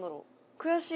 悔しい。